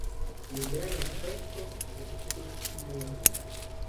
El grano es recto, de textura fina y regular.